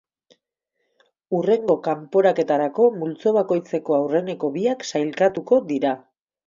Hurrengo kanporaketarako, multzo bakoitzeko aurreneko biak sailkatuko dira.